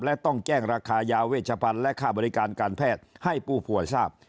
และต้องแจ้งราคายาเวชพันธ์และค่าบริการการแพทย์ให้ผู้ป่วยทราบ